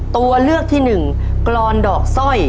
ตัวเลือกที่๑กรรณดอกสร้อย